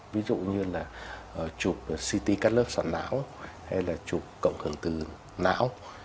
ví dụ như là chụp ct các lớp soạn não hay là chụp cộng hưởng từ não